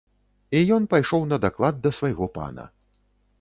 І ён пайшоў на даклад да свайго пана.